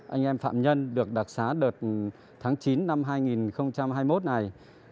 anh em phạm nhân được đặc xá đợt tháng chín năm hai nghìn hai mươi một này